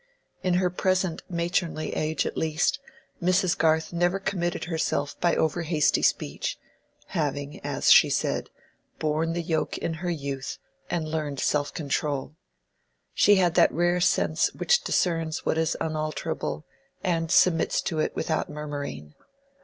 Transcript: In her present matronly age at least, Mrs. Garth never committed herself by over hasty speech; having, as she said, borne the yoke in her youth, and learned self control. She had that rare sense which discerns what is unalterable, and submits to it without murmuring.